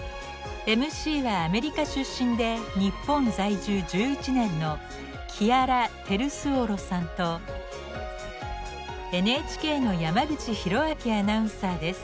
ＭＣはアメリカ出身で日本在住１１年のＮＨＫの山口寛明アナウンサーです。